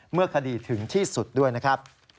เมื่อคดีถึงที่สุดด้วยนะครับ